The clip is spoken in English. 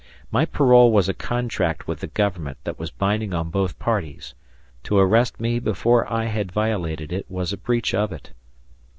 My parole was a contract with the government that was binding on both parties. To arrest me before I had violated it was a breach of it.